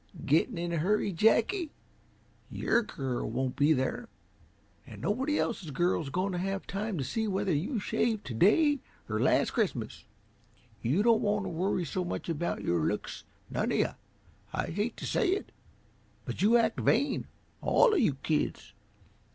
"Getting in a hurry, Jacky? YOUR girl won't be there, and nobody else's girl is going to have time to see whether you shaved to day or last Christmas. You don't want to worry so much about your looks, none of you. I hate to say it, but you act vain, all of you kids.